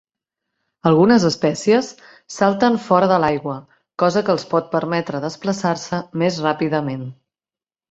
Algunes espècies salten fora de l'aigua, cosa que els pot permetre desplaçar-se més ràpidament.